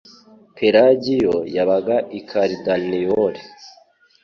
Pelagiyo yabaga i Kardanoel